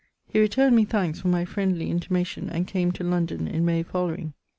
He returned me thankes for my friendly intimation and came to London in May following.